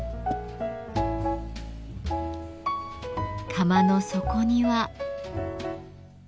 釜の底には。